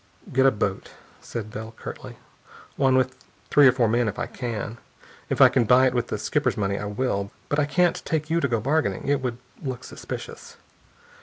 "Get a boat," said Bell curtly. "One with three or four men, if I can. If I can buy it with the skipper's money, I will. But I can't take you to go bargaining. It would look suspicious."